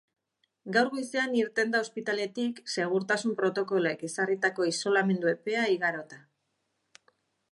Gaur goizean irten da ospitaletik, segurtasun protokoloek ezarritako isolamendu epea igarota.